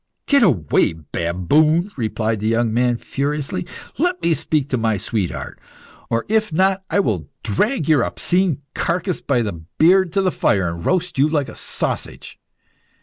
"Get away, baboon!" replied the young man furiously. "Let me speak to my sweetheart, or if not I will drag your obscene carcase by the beard to the fire, and roast you like a sausage."